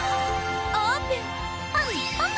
オープン！